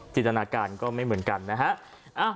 จินตนาการก็ไม่เหมือนกันนะฮะ